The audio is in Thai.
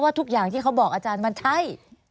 ทุกอย่างที่เขาบอกอาจารย์มันใช่